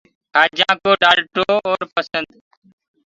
کآجآنٚ ڪو ڊآلٽو ڀوت اسل هوندو هي۔